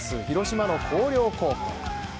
広島の広陵高校。